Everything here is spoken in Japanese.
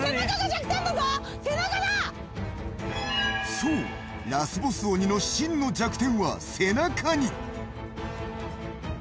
そう、ラスボス鬼の真の弱点は背中に。